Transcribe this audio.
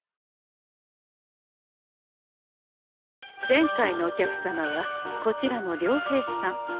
前回のお客様はこちらの遼平さん。